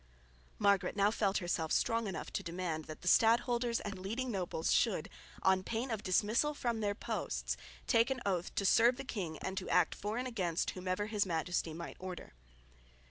Margaret now felt herself strong enough to demand that the stadholders and leading nobles should, on pain of dismissal from their posts, take an oath "to serve the king and to act for and against whomsoever His Majesty might order."